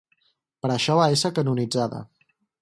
Per això va ésser canonitzada.